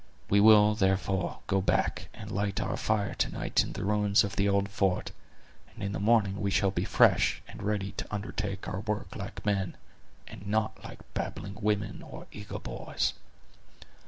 We will, therefore, go back, and light our fire to night in the ruins of the old fort, and in the morning we shall be fresh, and ready to undertake our work like men, and not like babbling women or eager boys."